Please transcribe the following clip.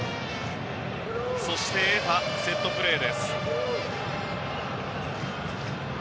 そして得たセットプレー。